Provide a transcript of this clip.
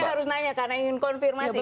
saya harus nanya karena ingin konfirmasi